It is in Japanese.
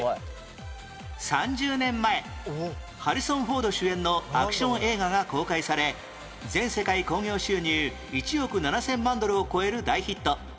３０年前ハリソン・フォード主演のアクション映画が公開され全世界興行収入１億７０００万ドルを超える大ヒット